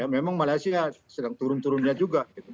memang malaysia sedang turun turunnya juga